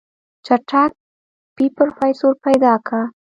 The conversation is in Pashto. چټک پې پروفيسر پيدا که.